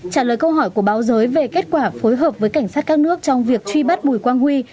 trả lời câu hỏi của báo giới về kết quả phối hợp với cảnh sát các nước trong việc truy bắt bùi quang huy